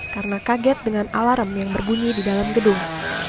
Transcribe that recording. karena kaget dengan alarm yang berbunyi di dalam gedung